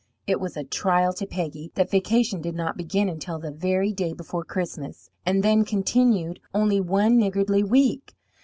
It was a trial to Peggy that vacation did not begin until the very day before Christmas, and then continued only one niggardly week.